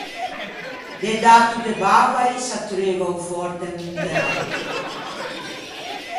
De d'ato de Bavai s'attreuva o fòrte Monteratti.